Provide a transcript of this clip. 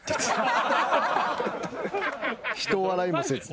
一笑いもせず。